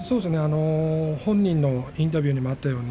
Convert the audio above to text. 本人のインタビューにもあったように